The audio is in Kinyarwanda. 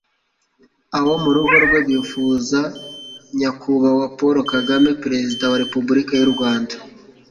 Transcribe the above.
abo mu rugo rwe bifuza, nyakubahwa paul kagame, perezida wa repubulika y'u rwanda